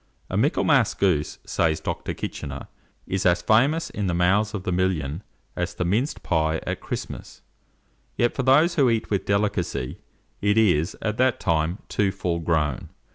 "A Michaelmas goose," says Dr. Kitchener, "is as famous in the mouths of the million as the minced pie at Christmas; yet for those who eat with delicacy, it is, at that time, too full grown.